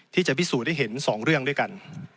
ที่จะพิสูจน์ให้เห็น๒เรื่องด้วยกัน